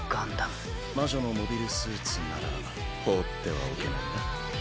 魔女のモビルスーツなら放ってはおけないな。